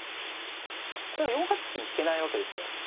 これは４八金引けないわけですよ。